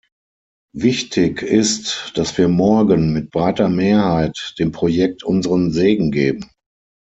Wichtig ist, dass wir morgen mit breiter Mehrheit dem Projekt unseren Segen geben.